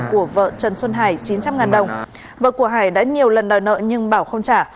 của vợ trần xuân hải chín trăm linh đồng vợ của hải đã nhiều lần đòi nợ nhưng bảo không trả